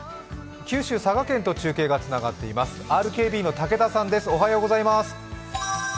九州佐賀県と中継がつながっています、ＲＫＢの武田さん。